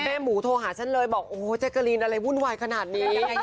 หมูโทรหาฉันเลยบอกโอ้โหแจ๊กกะลีนอะไรวุ่นวายขนาดนี้